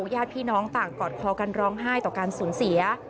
ญาติพี่น้องต่างกอดคอกันร้องไห้ต่อการสูญเสีย